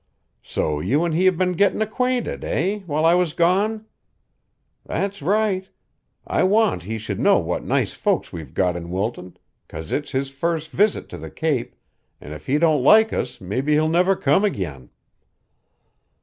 So you an' he have been gettin' acquainted, eh, while I was gone? That's right. I want he should know what nice folks we've got in Wilton 'cause it's his first visit to the Cape, an' if he don't like us mebbe he'll never come again."